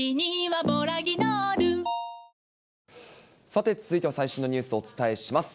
さて、続いては最新のニュースをお伝えします。